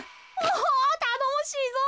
おたのもしいぞ。